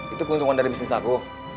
itu keuntungan dari bisnis aku